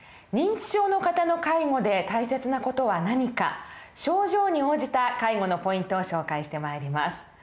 認知症の方の介護で大切な事は何か症状に応じた介護のポイントを紹介してまいります。